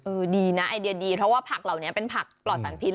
ดีนะไอเดียดีเพราะว่าผักเหล่านี้เป็นผักปลอดสารพิษ